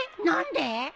何で！？